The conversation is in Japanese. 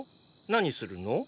何するの？